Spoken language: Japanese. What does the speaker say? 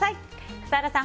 笠原さん